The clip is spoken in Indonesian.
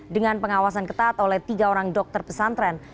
dengan pengawasan ketat oleh tiga orang dokter pesantren